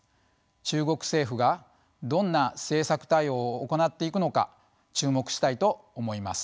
中国政府がどんな政策対応を行っていくのか注目したいと思います。